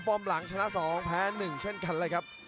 ฟอร์มหลังชนะ๒แพ้๑เช่นกันเลยครับ